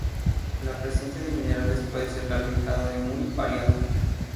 La presencia de minerales puede ser calificada de muy variada.